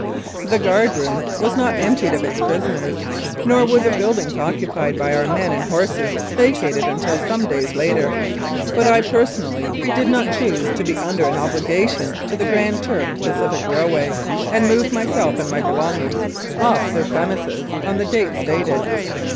The guard room "3 Mounted Police Life in Canada was not emptied of its prisoners, nor were the buildings occupied by our men and horses vacated until some days later, but I, personally, did not choose to be under an obligation to the Grand Trunk Pacific Railway, and moved myself and my belongings off their premises on the date ^stated.